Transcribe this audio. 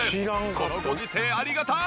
このご時世ありがたい！